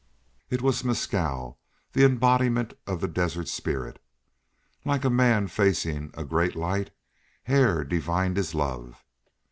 It was Mescal, the embodiment of the desert spirit. Like a man facing a great light Hare divined his love.